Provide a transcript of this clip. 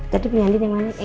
jadi punya andi yang mana